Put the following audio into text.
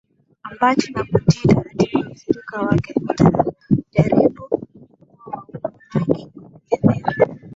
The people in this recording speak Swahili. Abati na kutii taratibu za ushirika wake Utaratibu huo wa umonaki ulienea